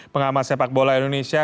pengamat sepak bola indonesia